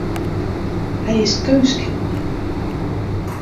Hy is keunstskilder.